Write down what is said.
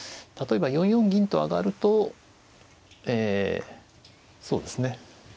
例えば４四銀と上がるとそうですね